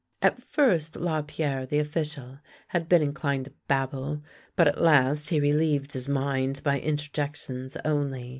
At first Lapierre the official had been in clined to babble, but at last he relieved his mind by interjections only.